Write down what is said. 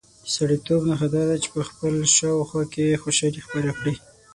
د سړیتوب نښه دا ده چې په خپل شاوخوا کې خوشالي خپره کړي.